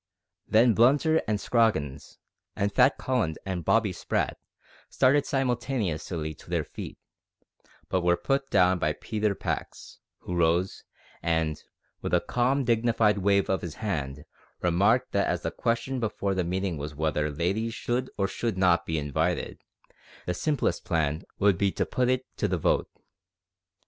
Then Blunter and Scroggins, and Fat Collins and Bobby Sprat, started simultaneously to their feet, but were put down by Peter Pax, who rose, and, with a calm dignified wave of his hand, remarked that as the question before the meeting was whether ladies should or should not be invited to the soiree, the simplest plan would be to put it to the vote.